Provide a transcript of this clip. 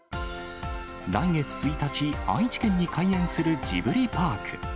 来月１日、愛知県に開園するジブリパーク。